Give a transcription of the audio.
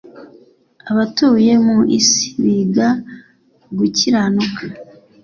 abatuye mu isi biga gukiranuka